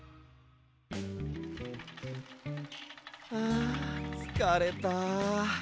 あつかれた。